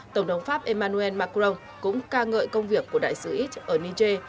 tổng thống pháp emmanuel macron cũng ca ngợi công việc của đại sứ it ở niger